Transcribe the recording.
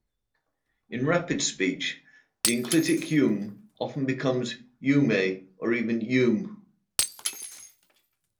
In rapid speech, the enclitic "-hyume" often becomes "-yuhme" or even "-yume".